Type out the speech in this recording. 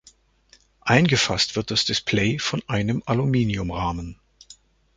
Eingefasst wird das Display von einem Aluminiumrahmen.